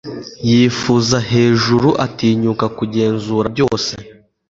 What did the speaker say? yifuza hejuru, atinyuka kugenzura byose